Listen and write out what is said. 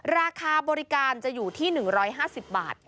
ราคาบริการจะอยู่ที่๑๕๐บาท